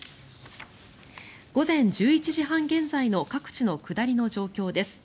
午前１１時半現在の各地の下りの状況です。